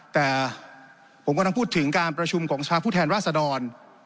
แต่ผมกำลังพูดถึงการประชุมของสภาพผู้แทนราษดร